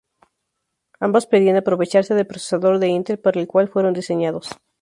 Ambas podían aprovecharse del procesador de Intel para el cual fueron diseñados.